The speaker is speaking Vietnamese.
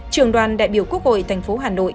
trường đoàn đại biểu quốc hội thành phố hà nội